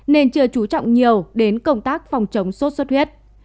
nên chưa trú trọng nhiều đến công tác phòng chống sốt xuất huyết